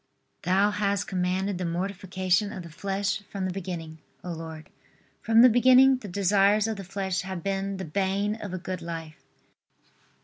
Thou hast commanded the mortification of the flesh from the beginning, O Lord. From the beginning, the desires of the flesh have been the bane of a good life.